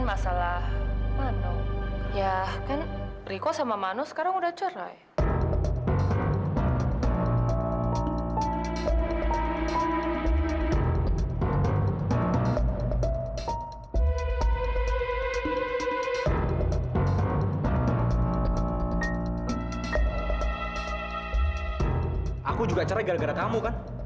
mau sampe dia sakit gara gara kamu